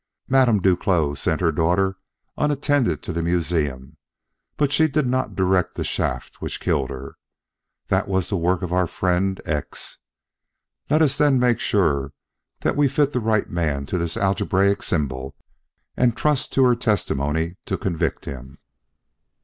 Madame Duclos sent her daughter unattended to the museum, but she did not direct the shaft which killed her. That was the work of our friend X. Let us then make sure that we fit the right man to this algebraic symbol, and trust to her testimony to convict him."